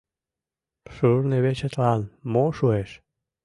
Шурнывечетлан мо шуэш?